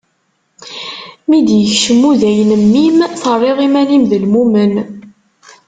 Mi d-ikcem uday n mmi-m, terriḍ iman-im d lmumen.